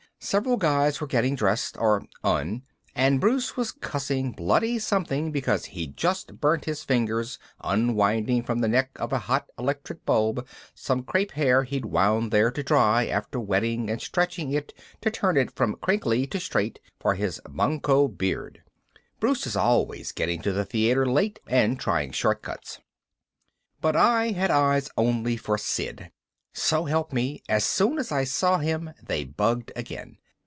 Several guys were getting dressed or un , and Bruce was cussing Bloody something because he'd just burnt his fingers unwinding from the neck of a hot electric bulb some crepe hair he'd wound there to dry after wetting and stretching it to turn it from crinkly to straight for his Banquo beard. Bruce is always getting to the theater late and trying shortcuts. But I had eyes only for Sid. So help me, as soon as I saw him they bugged again.